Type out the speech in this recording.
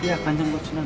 iya kanjam pak sunan